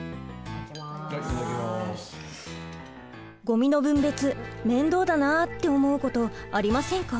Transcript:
ごみの分別面倒だなって思うことありませんか？